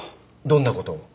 どんな事を？